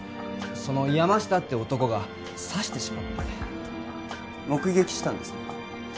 その山下って男が刺してしまって目撃したんですね？